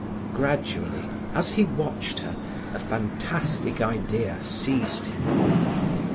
Gradually, as he watched her, a fantastic idea seized him.